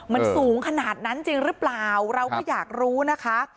มันสูงขนาดนั้นจริงหรือเปล่าเราก็อยากรู้นะคะ